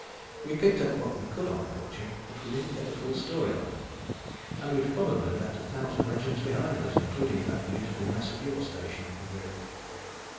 "We picked up what we could on the culture, but we didn't get the full story on them. And we've probably left a thousand legends behind us, including that beautiful mess at your station." He grinned.